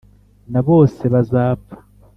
na bose bazapfa.